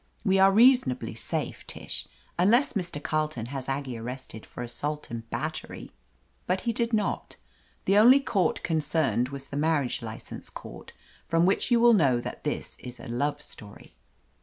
We are reasonably safe, Tish, unless Mr. Carleton has Aggie arrested for assault and battery." But he did not. The only court concerned was the marriage license court, from which you will know that this is a love story.